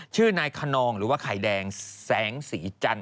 ชื่อนายคนนองหรือว่าไข่แดงแสงสีจันท